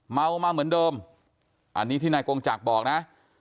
เมามาเหมือนเดิมอันนี้ที่นายกงจักรบอกนะ